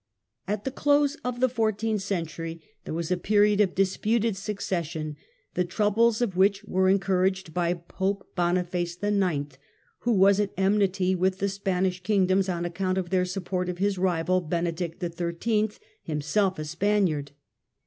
At the close of the fourteenth century there was a period of disputed succession, the troubles of which were encouraged by Pope Boniface IX., who was at enmity with the Spanish Kingdoms on account of their support of his rival Benedict XIII, himself a Spaniard.